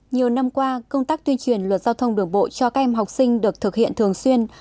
nhiều năm qua công tác tuyên truyền luật giao thông đường bộ cho các em học sinh được thực hiện thường xuyên